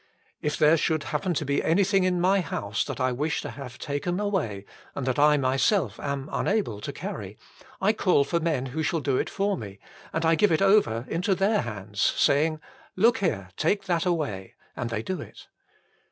If there should happen to be anything in my house that I wish to have taken away, and that I myself am unable to carry, I call for men who shall do it for me, and I give it over into their hands, saying :" Look here : take that away ;" and they do it.